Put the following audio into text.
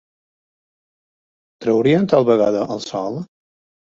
Traurien, tal vegada el sol?